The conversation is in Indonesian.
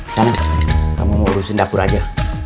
sana kamu urusin dapur aja